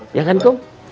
iya kan kum